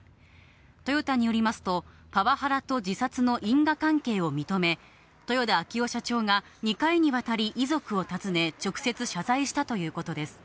トヨタによりますと、パワハラと自殺の因果関係を認め、豊田章男社長が２回にわたり、遺族を訪ね、直接謝罪したということです。